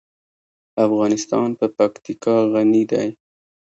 افغانستان په پکتیکا غني دی.